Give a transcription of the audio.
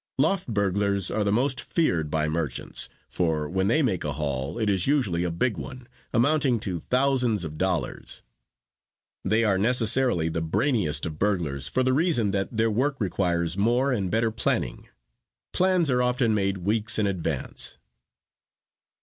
Loft burglars are the most feared by merchants, for when they make a haul it is usually a big one, amounting to thousands of dollars. They are necessarily the brainiest of burglars for the reason that their work requires more and better planning. Plans are often made weeks in advance.